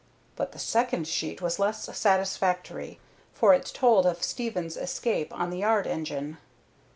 But the second sheet was less satisfactory, for it told of Stevens's escape on the yard engine.